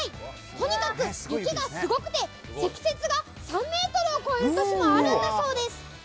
とにかく雪がすごくて、積雪が３メートルを超える年もあるんだそうです。